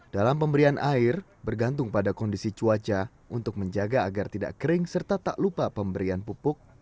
dalam pemberian air bergantung pada kondisi cuaca untuk menjaga agar tidak kering serta tak lupa pemberian pupuk